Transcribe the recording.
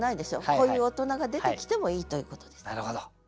こういう大人が出てきてもいいということです。